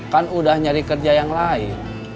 kan udah nyari kerja yang lain